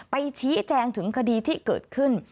ไปชี้แจงถึงคดีที่เกิดขึ้น